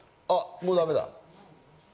もうダメだ。